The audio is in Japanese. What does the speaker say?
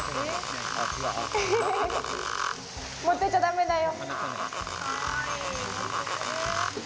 持ってっちゃ駄目だよ。